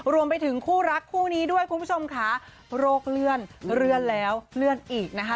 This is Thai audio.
รวมไปถึงคู่รักคู่นี้ด้วยคุณผู้ชมค่ะโรคเลื่อนเลื่อนแล้วเลื่อนอีกนะคะ